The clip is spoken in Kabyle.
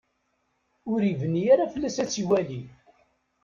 Ur ibni ara fell-as ad tt-iwali.